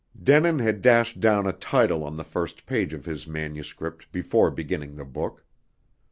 Denin had dashed down a title on the first page of his manuscript before beginning the book.